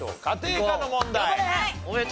家庭科の問題。